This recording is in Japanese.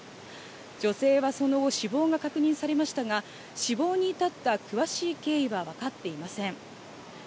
女性はその後、死亡が確認されましたが、死亡に至った詳しい経緯はわかっていません。